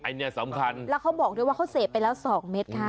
ไอเนี่ยสำคัญแล้วเขาก็บอกเลยว่าเขาเสกไปแล้วสองเมตรค่ะ